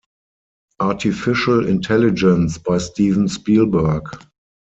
Artificial Intelligence by Steven Spielberg.